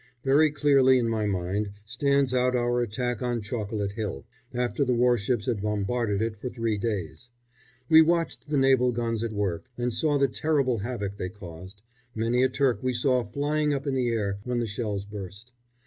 Very clearly in my mind stands out our attack on Chocolate Hill, after the warships had bombarded it for three days. We watched the naval guns at work, and saw the terrible havoc they caused many a Turk we saw flying up in the air when the shells burst.